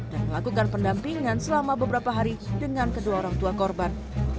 dan melakukan pendampingan selama beberapa hari dengan kedua orang tua korban